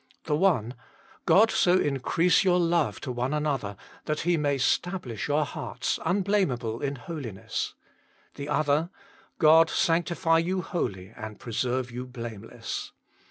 The one: "God so increase your love to one another, that He may stablish your hearts uriblamedble in holiness." The other :" God sanctify you wholly, and preserve you blame less."